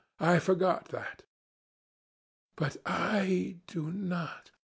I forgot that.' "'But I do not.